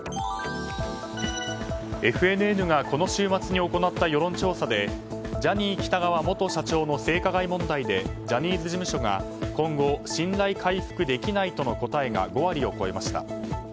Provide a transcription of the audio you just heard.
ＦＮＮがこの週末に行った世論調査でジャニー喜多川元社長の性加害問題でジャニーズ事務所が今後信頼回復できないとの答えが５割を超えました。